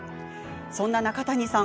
そんな中谷さん